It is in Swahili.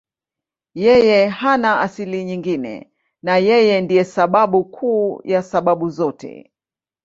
Yeye hana asili nyingine na Yeye ndiye sababu kuu ya sababu zote.